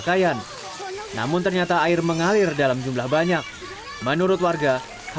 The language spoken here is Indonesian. kayaknya sih belum pernah